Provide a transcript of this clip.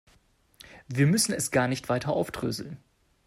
Wir müssen es gar nicht weiter aufdröseln.